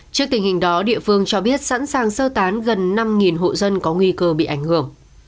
trước tình hình đó địa phương cho biết sẵn sàng sơ tán gần năm hộ dân có nguy cơ bị ảnh hưởng